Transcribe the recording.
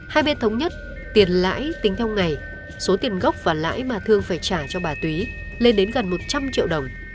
hai bên thống nhất tiền lãi tính theo ngày số tiền gốc và lãi mà thương phải trả cho bà túy lên đến gần một trăm linh triệu đồng